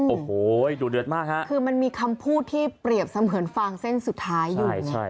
โอ้โหดูเดือดมากฮะคือมันมีคำพูดที่เปรียบเสมือนฟางเส้นสุดท้ายอยู่